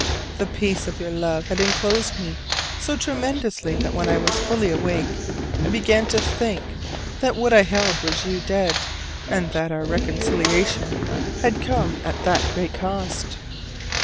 The peace of your love had inclosed me so tremendously that when I was fully awake I began to think that what I held was you dead, and that our reconciliation had come at that great cost.